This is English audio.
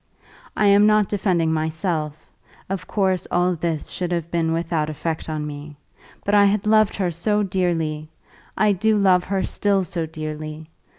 I am not defending myself; of course all this should have been without effect on me. But I had loved her so dearly! I do love her still so dearly!